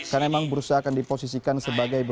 karena ada dua faktor penting